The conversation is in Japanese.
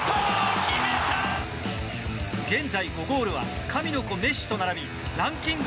現在、５ゴールは神の子メッシと並びランキング